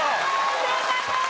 正解です。